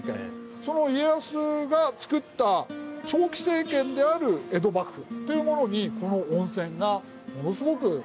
その家康が作った長期政権である江戸幕府というものにこの温泉がものすごく関係してるんですよ。